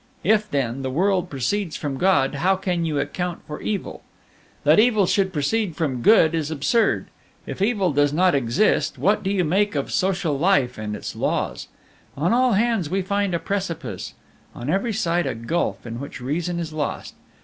If, then, the world proceeds from God, how can you account for evil? That Evil should proceed from Good is absurd. If evil does not exist, what do you make of social life and its laws? On all hands we find a precipice! On every side a gulf in which reason is lost!